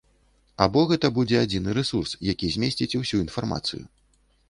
Або гэта будзе адзіны рэсурс, які змесціць усю інфармацыю.